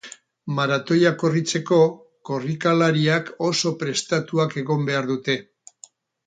Maratoia korritzeko, korrikalariek oso prestatuak egon behar dute.